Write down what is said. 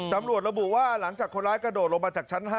ตำรวจระบุว่าหลังจากคนร้ายกระโดดลงมาจากชั้น๕